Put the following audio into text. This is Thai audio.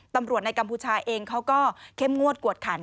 ตำรวจในกัมพูชาเองเขาก็เข้มงวดกวดขัน